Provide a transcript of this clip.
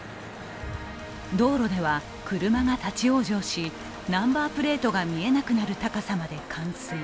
道路では車が立往生し、ナンバープレートが見えなくなる高さまで冠水。